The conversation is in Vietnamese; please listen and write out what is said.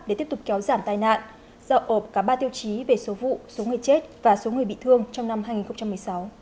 để tiếp tục kéo giảm tai nạn giao ộp cả ba tiêu chí về số vụ số người chết và số người bị thương trong năm hai nghìn một mươi sáu